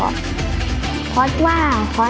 ขีดเอาไว้ว่าเธอไม่รอ